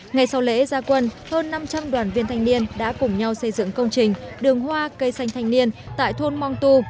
ngày sau lễ gia quân hơn năm trăm linh đoàn viên thanh niên đã cùng nhau xây dựng công trình đường hoa cây xanh thanh niên tại thôn mong tu